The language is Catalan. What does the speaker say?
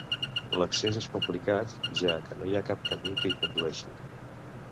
L'accés és complicat, ja que no hi ha cap camí que hi condueixi.